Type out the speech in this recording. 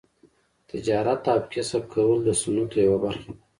تجارت او کسب کول د سنتو یوه برخه ده.